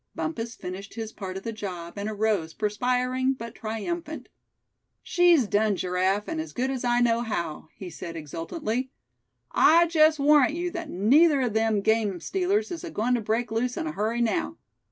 Bumpus finished his part of the job, and arose, perspiring, but triumphant. "She's done, Giraffe, and as good as I know how," he said, exultantly. "I just warrant you that neither of them game stealers is agoin' to break loose in a hurry now.